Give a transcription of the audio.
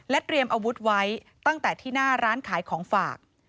เตรียมอาวุธไว้ตั้งแต่ที่หน้าร้านขายของฝาก